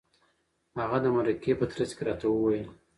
هغه د مرکې په ترڅ کې راته وویل.